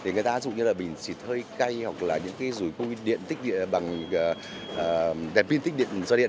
người ta dùng như bình xịt hơi cay hoặc dùi bằng đèn pin tích điện do điện